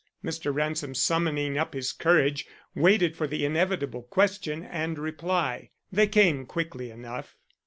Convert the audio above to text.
Mr. Ransom, summoning up his courage, waited for the inevitable question and reply. They came quickly enough.